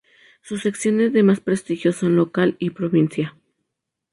Sus secciones de más prestigio son Local y Provincia.